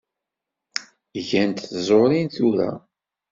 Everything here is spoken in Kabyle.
Ggant tẓurin tura.